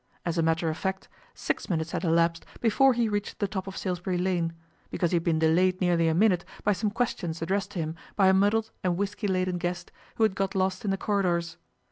As a matter of fact, six minutes had elapsed before he reached the top of Salisbury Lane, because he had been delayed nearly a minute by some questions addressed to him by a muddled and whisky laden guest who had got lost in the corridors.